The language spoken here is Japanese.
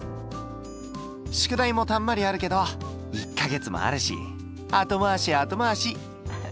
宿題もたんまりあるけど１か月もあるし後回し後回し。